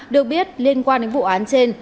được biết liên quan đến vụ án trên